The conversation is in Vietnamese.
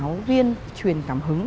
người giáo viên truyền cảm hứng